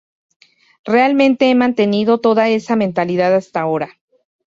Realmente he mantenido toda esa mentalidad hasta ahora".